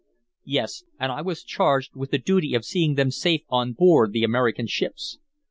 "Yes. And I was charged with the duty of seeing them safe on board the American ships."